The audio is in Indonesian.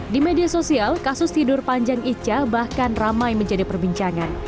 di media sosial kasus tidur panjang ica bahkan ramai menjadi perbincangan